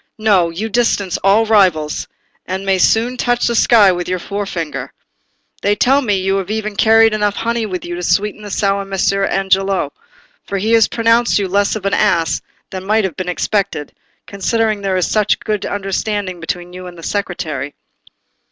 No! you distance all rivals, and may soon touch the sky with your forefinger. They tell me you have even carried enough honey with you to sweeten the sour Messer Angelo; for he has pronounced you less of an ass than might have been expected, considering there is such a good understanding between you and the Secretary."